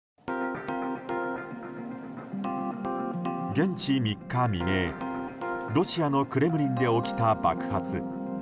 現地３日未明、ロシアのクレムリンで起きた爆発。